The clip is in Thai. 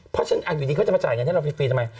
เพราะฉะนั้นอยู่ดีเขาจะมาจ่ายเงินให้เราฟรีทำไม